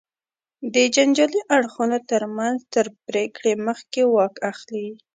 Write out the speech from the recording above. د جنجالي اړخونو تر منځ تر پرېکړې مخکې واک اخلي.